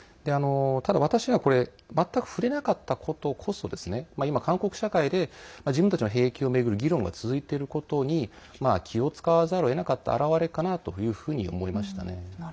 ただ、私は全く触れなかったことこそ今、韓国社会で自分たちの兵役を巡る議論が続いてることに気を遣わざるをえなかった表れかなと思いましたね。